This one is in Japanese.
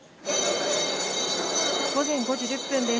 午前５時１０分です。